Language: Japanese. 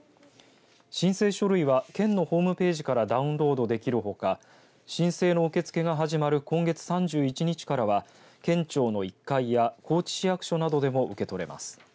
申請書類は県のホームページからダウンロードできるほか申請の受け付けが始まる今月３１日からは、県庁の１階や高知市役所などでも受け取れます。